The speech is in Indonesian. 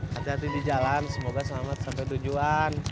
hati hati di jalan semoga selamat sampai tujuan